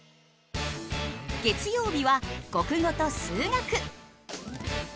月曜日は国語と数学。